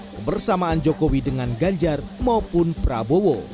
pembersamaan jokowi dengan galjar maupun prabowo